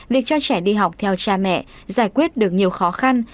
việc cho trẻ đi học theo cha mẹ giải quyết được nhiều khó khăn